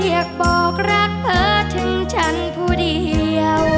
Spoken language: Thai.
เรียกบอกรักเพิ่มถึงฉันผู้เดียว